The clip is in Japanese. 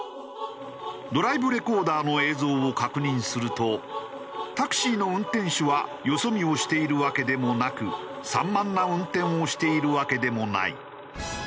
ドライブレコーダーの映像を確認するとタクシーの運転手はよそ見をしているわけでもなく散漫な運転をしているわけでもない。